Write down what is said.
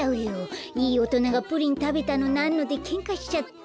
いいおとながプリンたべたのなんのでケンカしちゃって。